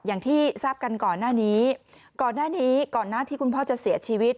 อย่างที่ทราบกันก่อนหน้านี้ก่อนหน้านี้ก่อนหน้าที่คุณพ่อจะเสียชีวิต